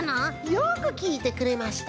よくきいてくれました。